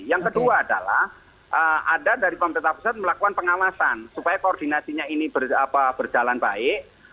yang kedua adalah ada dari pemerintah pusat melakukan pengawasan supaya koordinasinya ini berjalan baik